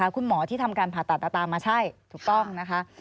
คุณหมอที่ทำการผ่าตัดตามมาใช่ถูกต้องนะคะ